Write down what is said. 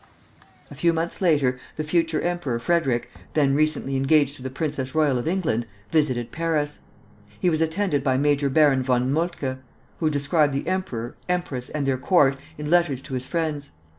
A few months later, the future Emperor Frederick, then recently engaged to the Princess Royal of England, visited Paris. He was attended by Major Baron von Moltke, who described the emperor, empress, and their court in letters to his friends.